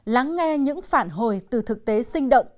lắng nghe những phản hồi từ thực tế sinh động